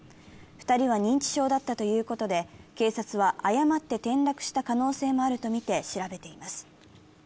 ２人は認知症だったということで警察は誤って転落した可能性もあるとみて調べています。